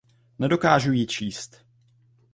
Nedokážu ji číst.